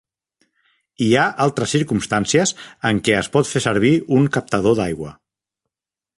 Hi ha altres circumstàncies en què es pot fer servir un "captador d'aigua".